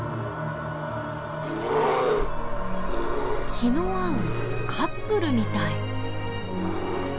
気の合うカップルみたい。